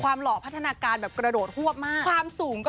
ความหล่อพัฒนาการแบบกระโดดหวบมาก